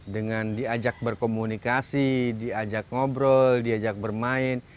dengan diajak berkomunikasi diajak ngobrol diajak bermain